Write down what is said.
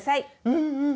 うんうん！